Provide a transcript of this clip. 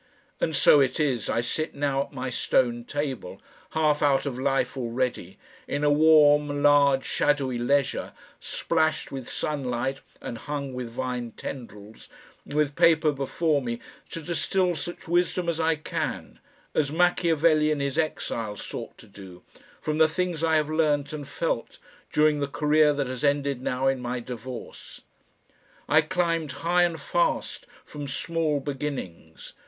And so it is I sit now at my stone table, half out of life already, in a warm, large, shadowy leisure, splashed with sunlight and hung with vine tendrils, with paper before me to distil such wisdom as I can, as Machiavelli in his exile sought to do, from the things I have learnt and felt during the career that has ended now in my divorce. I climbed high and fast from small beginnings.